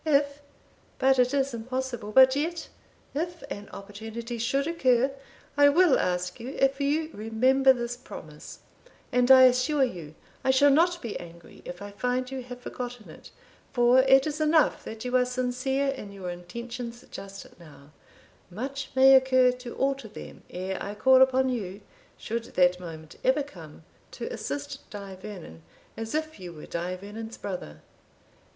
If but it is impossible but yet, if an opportunity should occur, I will ask you if you remember this promise; and I assure you, I shall not be angry if I find you have forgotten it, for it is enough that you are sincere in your intentions just now much may occur to alter them ere I call upon you, should that moment ever come, to assist Die Vernon, as if you were Die Vernon's brother."